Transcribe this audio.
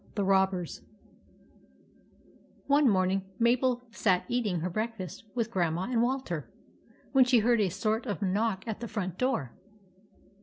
THE ROBBERS ONE morning Mabel sat eating her breakfast with Grandma and Wal ter, when she heard a sort of knock at the front door.